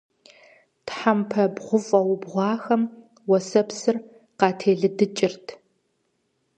Тхьэмпэ бгъуфӀэ убгъуахэм уэсэпсыр къателыдыкӀырт.